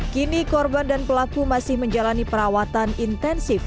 kini korban dan pelaku masih menjalani perawatan intensif